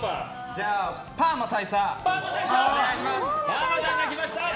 じゃあ、パーマ大佐お願いします。